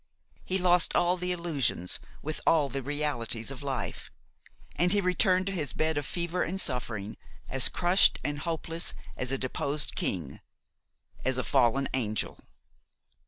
He lost all the illusions with all the realities of life; and he returned to his bed of fever and suffering, as crushed and hopeless as a deposed king, as a fallen angel.